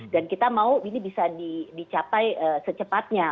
dan kita mau ini bisa dicapai secepatnya